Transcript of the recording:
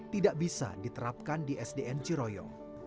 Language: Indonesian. tidak bisa diterapkan di sdn ciroyo